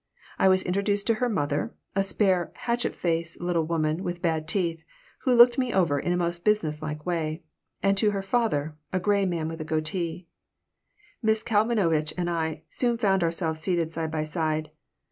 I was introduced to her mother, a spare, hatchet face little woman with bad teeth, who looked me over in a most business like way, and to her father, a gray man with a goatee Miss Kalmanovitch and I soon found ourselves seated side by side.